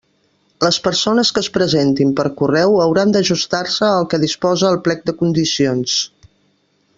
Les persones que es presentin per correu hauran d'ajustar-se al que disposa el plec de condicions.